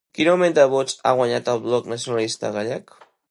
Quin augment de vots ha guanyat el Bloc Nacionalista Gallec?